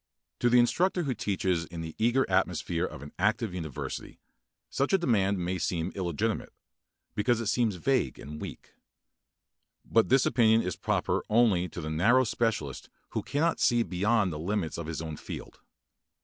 To the instructor who teaches in the eager atmosphere of an active university such a demand may seem illegitimate, because it seems vague and weak. But this opinion is proper only to the narrow specialist who cannot see beyond the limits of his own field.